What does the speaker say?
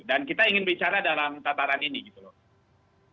dan kita ingin bicara dalam tataran ini gitu loh